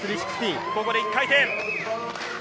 ここで１回転。